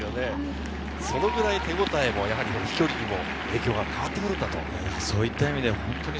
そのぐらい手応えも飛距離にも影響が変わってくるということですね。